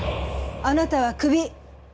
あなたはクビ。